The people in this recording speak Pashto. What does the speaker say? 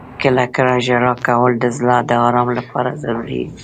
• کله کله ژړا کول د زړه د آرام لپاره ضروري وي.